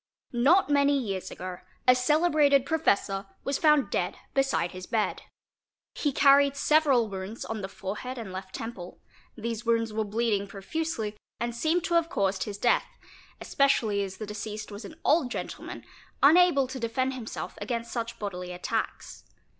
Not many years ago a celebrated professor was found dead beside his bed. He carried several wounds on the fore head and left temple ; these wounds were bleeding profusely and seemed to have caused his death, especially as the deceased was an old gentleman, unable to defend himself against such bodily attacks.